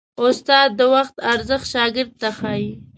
استاد د وخت ارزښت شاګرد ته ښيي.